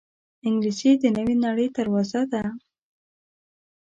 انګلیسي د نوې نړۍ دروازه ده